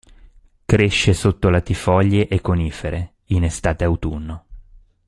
Cresce sotto latifoglie e conifere, in estate-autunno.